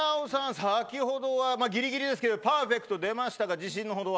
先ほどはぎりぎりですけどパーフェクト出ましたが、自信のほどは。